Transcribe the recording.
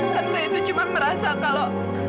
tanpa itu cuma merasa kalau